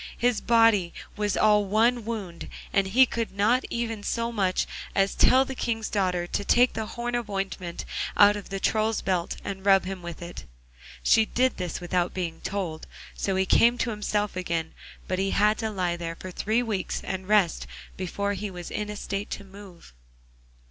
His body was all one wound, and he could not even so much as tell the King's daughter to take the horn of ointment out of the Troll's belt and rub him with it. She did this without being told; so he came to himself again, but he had to lie there for three weeks and rest before he was in a state to move.